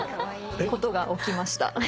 ことが起きました。